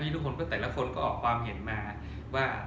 ทุกคนก็แต่ละคนก็ออกความเห็นมาว่า